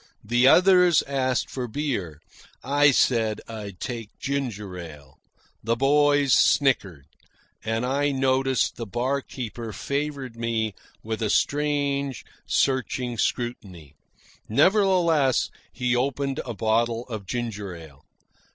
The others asked for beer. I said I'd take ginger ale. The boys snickered, and I noticed the barkeeper favoured me with a strange, searching scrutiny. Nevertheless, he opened a bottle of ginger ale.